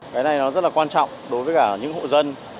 cái này nó rất là quan trọng đối với cả những hộ dân